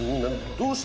どうした？